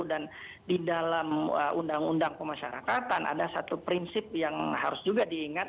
dan di dalam undang undang pemasyarakatan ada satu prinsip yang harus juga diingat